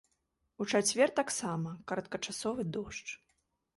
У чацвер таксама кароткачасовы дождж.